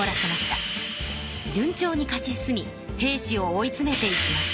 順調に勝ち進み平氏を追いつめていきます。